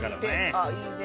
あっいいね。